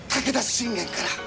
信玄から？